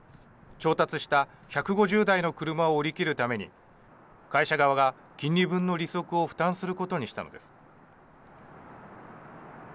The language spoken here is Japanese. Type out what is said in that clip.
調達した１５０台の車を売り切るために会社側が金利分の利息を負担することにしたのです。